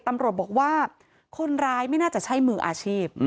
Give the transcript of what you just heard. ตำรวจบอกว่าคนร้ายไม่น่าจะใช่มืออาชีพ